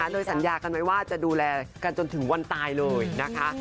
เลยสัญญากันไว้ว่าจะดูแลกันจนถึงวันตายเลยนะคะ